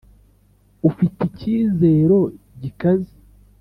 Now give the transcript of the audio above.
ufite icyizero gikaze.